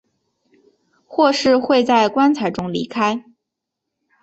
或是会在棺材中离开。